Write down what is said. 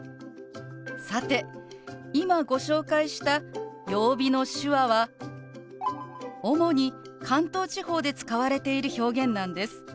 さて今ご紹介した曜日の手話は主に関東地方で使われている表現なんです。